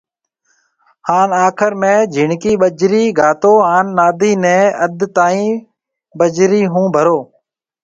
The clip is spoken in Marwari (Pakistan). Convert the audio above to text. هان آخر ۾ جھيَََڻڪِي بجرِي گھاتو هان نادي نيَ اڌ تائين بجرِي هو ڀرو